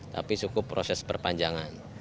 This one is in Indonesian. tapi cukup proses perpanjangan